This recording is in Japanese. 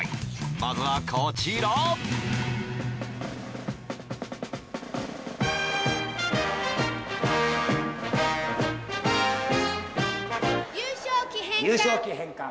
まずはこちら優勝旗返還